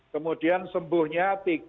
kemudian sembuhnya tiga ratus lima puluh lima